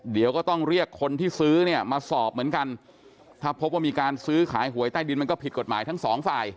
เดี๋ยวก็ต้องเรียกคนที่ซื้อเนี่ยมาสอบเหมือนกันถ้าพบว่ามีการซื้อขายหวยใต้ดินมันก็ผิดกฎหมายทั้งสองฝ่าย